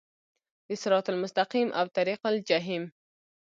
د صراط المستقیم او طریق الجحیم